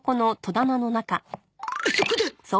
あそこだ！